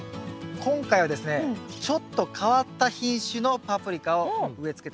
今回はですねちょっと変わった品種のパプリカを植えつけたいと思います。